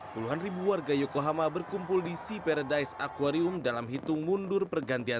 puluhan ribu warga yokohama berkumpul di sea paradise aquarium dalam hitung mundur pergantian